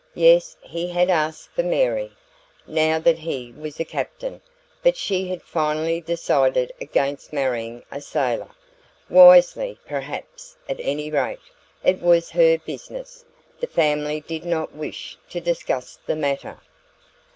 Yes, he had asked for Mary now that he was a captain but she had finally decided against marrying a sailor. Wisely, perhaps; at any rate, it was her business; the family did not wish to discuss the matter.